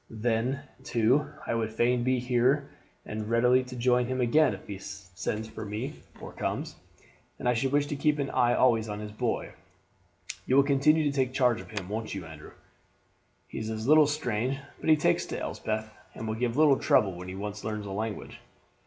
Then, too, I would fain be here to be ready to join him again if he sends for me or comes, and I should wish to keep an eye always on his boy. You will continue to take charge of him, won't you, Andrew? He is still a little strange, but he takes to Elspeth, and will give little trouble when he once learns the language."